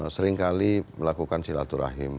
seringkali melakukan silaturahim